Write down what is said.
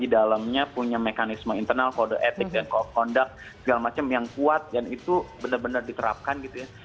dalamnya punya mekanisme internal kode etik dan kondak segala macam yang kuat dan itu benar benar dikerapkan